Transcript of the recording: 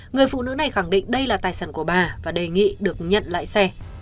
người phụ nữ này khẳng định đây là tài sản của bà và đề nghị được nhận lại xe